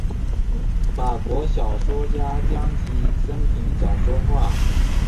法国小说家将其生平小说化。